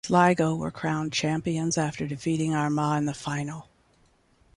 Sligo were crowned champions after defeating Armagh in the final.